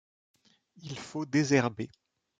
il faut désherbés